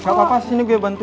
gak apa apa sini gue bentuk